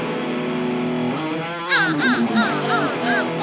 อ้า